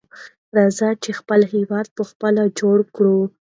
راځئ چې خپل هېواد په خپله جوړ کړو.